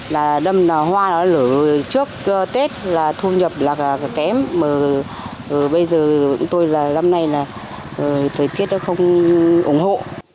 là đâm hoa nó lử trước tết là thu nhập là kém mà bây giờ tôi là năm nay là thời tiết nó không ủng hộ